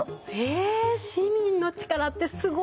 え市民の力ってすごいですね！